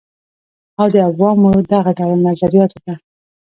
او د عوامو دغه ډول نظریاتو ته